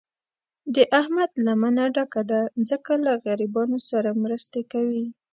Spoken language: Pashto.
د احمد لمنه ډکه ده، ځکه له غریبانو سره مرستې کوي.